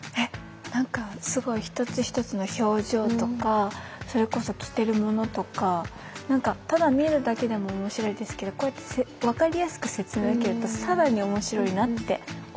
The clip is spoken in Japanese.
何かすごい一つ一つの表情とかそれこそ着てるものとか何かただ見るだけでも面白いですけどこうやって分かりやすく説明を受けると更に面白いなって思いました。